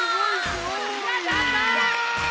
やった！